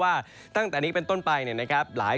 ว่าจากฐานนี้เป็นต้นไปอ่ะยังไงครับหลาย